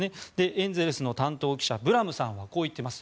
エンゼルスの担当記者ブラムさんはこう言っています。